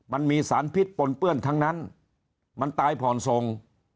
มันมีสารพิษปนเปื้อนทั้งนั้นมันตายผ่อนทรง